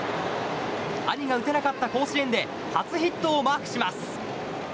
兄が打てなかった甲子園で初ヒットをマークします。